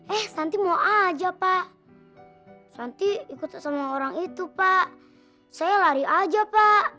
eh santi mau aja pak santi ikut sama orang itu pak saya lari aja pak